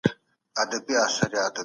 استازي چیري د ازادي سوداګرۍ خبري کوي؟